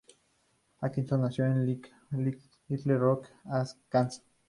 Atkinson nació en Little Rock, Arkansas.